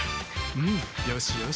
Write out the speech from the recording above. うんよしよし。